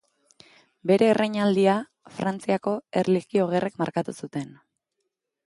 Bere erreinaldia Frantziako Erlijio Gerrek markatu zuten.